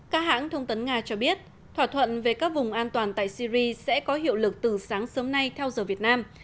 các hãng thông tấn nga cho biết thỏa thuận về các vùng an toàn tại syri sẽ có hiệu lực từ sáng sớm nay theo giờ việt nam